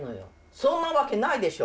そんな訳ないでしょ！